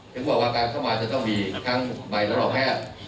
ถึงว่าการเข้ามาตั้งการมีใบรับรองแพทย์